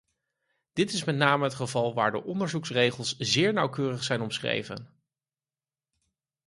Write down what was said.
Dit is met name het geval waar de onderzoeksregels zeer nauwkeurig zijn omschreven.